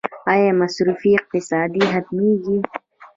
آیا مصرفي اقتصاد ختمیږي؟